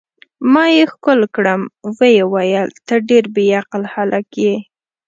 ما یې ښکل کړم، ویې ویل: ته ډېر بې عقل هلک یې.